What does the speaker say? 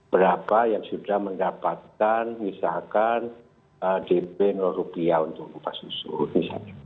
berapa yang sudah mendapatkan misalkan dp rupiah untuk upah susun